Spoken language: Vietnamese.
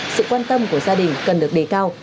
sự quan tâm của gia đình cần được đề cao